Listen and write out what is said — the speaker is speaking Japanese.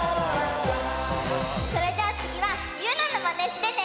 それじゃあつぎはゆうなのまねしてね！